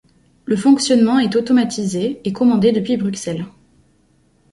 Le fonctionnement est automatisé et commandé depuis Bruxelles.